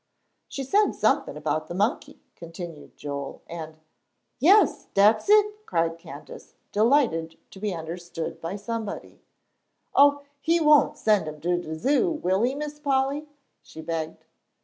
"She said something about the monkey," continued Joel, "and " "Yes, dat's it," cried Candace, delighted to be understood by somebody. "Oh, he won' send him to de Zoo, will he, Miss Polly?" she begged.